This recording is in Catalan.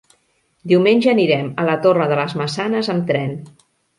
Diumenge anirem a la Torre de les Maçanes amb tren.